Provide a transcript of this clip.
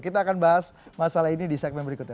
kita akan bahas masalah ini di segmen berikutnya